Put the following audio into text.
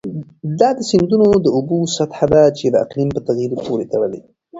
دا د سیندونو د اوبو سطحه ده چې د اقلیم په تغیر پورې تړلې.